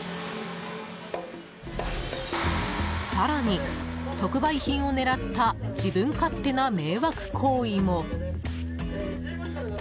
更に、特売品を狙った自分勝手な迷惑行為も。